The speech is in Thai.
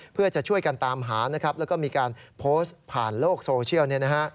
เพื่อจะช่วยกันตามหานะครับแล้วก็มีการโพสต์ผ่านโลกโซเชียล